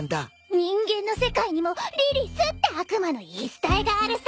人間の世界にもリリスって悪魔の言い伝えがあるさ。